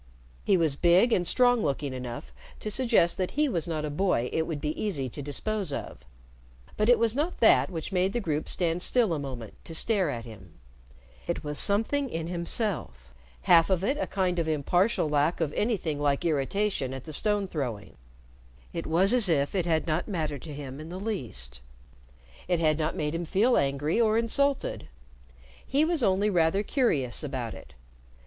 He was big and strong looking enough to suggest that he was not a boy it would be easy to dispose of, but it was not that which made the group stand still a moment to stare at him. It was something in himself half of it a kind of impartial lack of anything like irritation at the stone throwing. It was as if it had not mattered to him in the least. It had not made him feel angry or insulted. He was only rather curious about it.